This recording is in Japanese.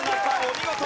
お見事！